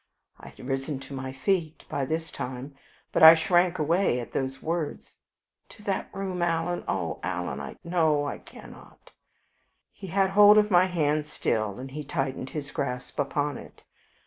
I had risen to my feet by this time, but I shrank away at those words. "To that room? Oh, Alan no, I cannot." He had hold of my hand still, and he tightened his grasp upon it.